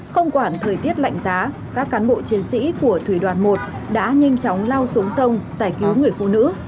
không quản thời tiết lạnh giá các cán bộ chiến sĩ của thủy đoàn một đã nhanh chóng lao xuống sông giải cứu người phụ nữ